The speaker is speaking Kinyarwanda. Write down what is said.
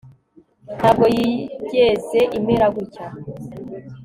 ntabwo yigeze imera gutya